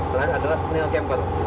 terlihat adalah snail camper